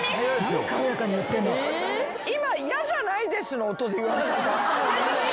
今「嫌じゃないです」の音で言わなかった？